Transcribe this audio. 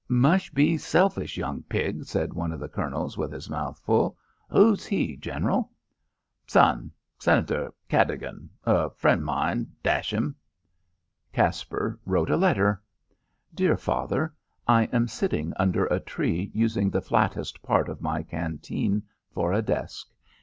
"Mush be selfish young pig," said one of the Colonels, with his mouth full. "Who's he, General?" "Son Sen'tor Cad'gan ol' frien' mine dash 'im." Caspar wrote a letter: "Dear Father: I am sitting under a tree using the flattest part of my canteen for a desk.